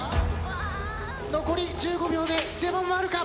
残り１５秒で出番はあるか？